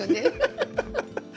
ハハハハ！